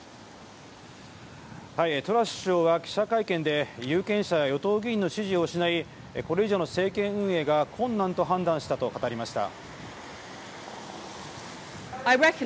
トラス氏は記者会見で有権者や与党議員の支持を失いこれ以上の政権運営が困難と判断したと語りました。